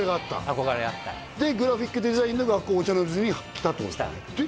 憧れがあったでグラフィックデザインの学校御茶ノ水に来たってことですね来た